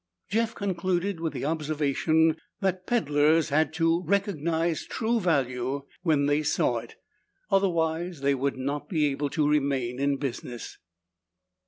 Jeff concluded with the observation that peddlers had to recognize true value when they saw it. Otherwise they would not be able to remain in business.